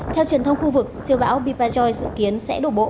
theo truyền thông khu vực siêu bão bipajoy dự kiến sẽ đổ bộ